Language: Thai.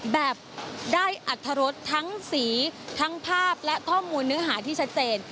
แบบได้อัตรรสทั้งสีทั้งภาพและข้อมูลเนื้อหาที่ชัดเจน